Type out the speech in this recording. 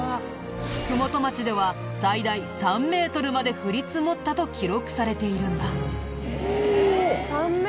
麓町では最大３メートルまで降り積もったと記録されているんだ。